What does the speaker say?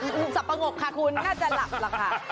หนุ่กประโงกค่ะคุณง่าจะหลับล่ะค่ะ